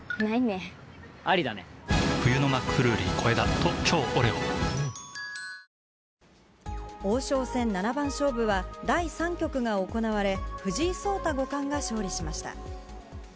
本麒麟王将戦七番勝負は、第３局が行われ、藤井聡太五冠が勝利しました。